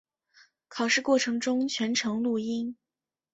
考试过程中全程录音。